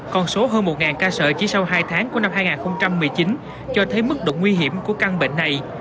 con số hơn một ca sở chỉ sau hai tháng của năm hai nghìn một mươi chín cho thấy mức độ nguy hiểm của căn bệnh này